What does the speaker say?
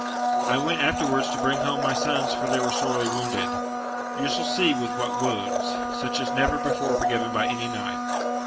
I went after wards to bring home my sons for they were sorely wounded : you shall see with what wounds, such as never before were given by any knight.